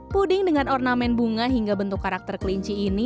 puding dengan ornamen bunga hingga bentuk karakter kelinci ini